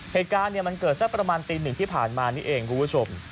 เหตุการณ์มันเกิดสักประมาณตีหนึ่งที่ผ่านมานี่เองคุณผู้ชม